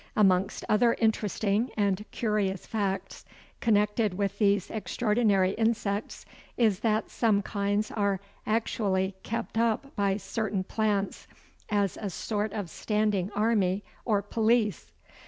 Amongst other interesting and curious facts connected with these extraordinary insects is that some kinds are actually kept up by certain plants as a sort of standing army or police.